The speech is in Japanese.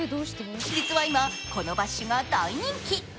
実は今、このバッシュが大人気。